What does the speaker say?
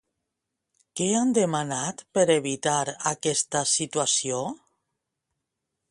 Què han demanat per evitar aquesta situació?